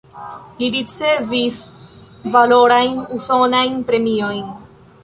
Li ricevis valorajn usonajn premiojn.